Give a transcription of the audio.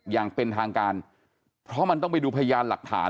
อย่างเป็นทางการเพราะมันต้องไปดูพยานหลักฐาน